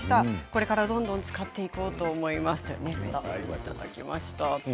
これからどんどん使っていこうと思いますといただきました。